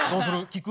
聞く？